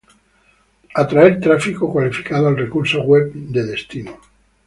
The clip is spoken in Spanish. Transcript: Atraer tráfico cualificado al recurso web destino.